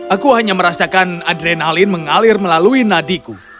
aku hanya merasakan adrenalin mengalir melalui nadiku